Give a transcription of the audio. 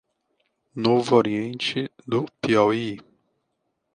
Novo Oriente do Piauí